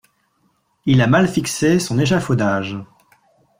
Il a mal fixé son échaufaudage.